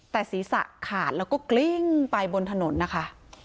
แต่ศีรษะขาดแล้วก็กลิ้งไปบนถนนนะคะ